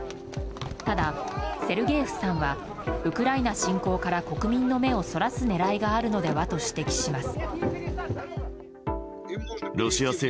ただ、セルゲーフさんはウクライナ侵攻から国民の目をそらす狙いがあるのではと指摘します。